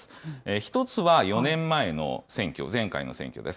１つは４年前の選挙、前回の選挙です。